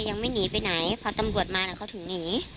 ยังไม่หนีไปไหนพอตำรวจมาเขาถึงหนี